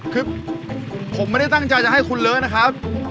คือผมไม่ได้ตั้งใจจะให้คุณเลอะนะครับ